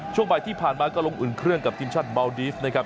ช่วงบ่ายที่ผ่านมาก็ลงอุ่นเครื่องกับทีมชาติเมาดีฟนะครับ